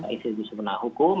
institusi penegak hukum